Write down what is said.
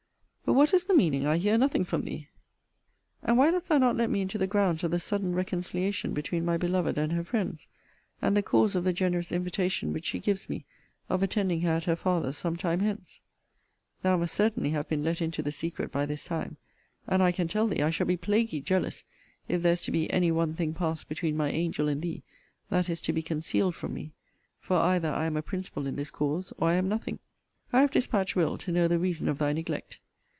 But what is the meaning I hear nothing from thee?* And why dost thou not let me into the grounds of the sudden reconciliation between my beloved and her friends, and the cause of the generous invitation which she gives me of attending her at her father's some time hence? * Mr. Belford has not yet sent him his last written letter. His reason for which see Letter XXIII. of this volume. Thou must certainly have been let into the secret by this time; and I can tell thee, I shall be plaguy jealous if there is to be any one thing pass between my angel and thee that is to be concealed from me. For either I am a principal in this cause, or I am nothing. I have dispatched Will. to know the reason of thy neglect.